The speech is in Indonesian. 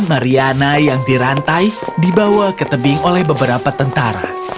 mariana yang dirantai dibawa ke tebing oleh beberapa tentara